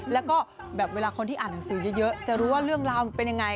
แล้วก็แบบเวลาคนที่อ่านหนังสือเยอะจะรู้ว่าเรื่องราวมันเป็นยังไง